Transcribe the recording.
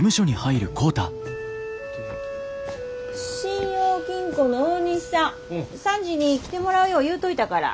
信用金庫の大西さん３時に来てもらうよう言うといたから。